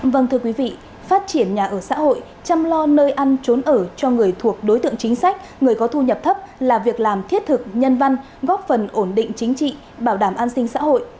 vâng thưa quý vị phát triển nhà ở xã hội chăm lo nơi ăn trốn ở cho người thuộc đối tượng chính sách người có thu nhập thấp là việc làm thiết thực nhân văn góp phần ổn định chính trị bảo đảm an sinh xã hội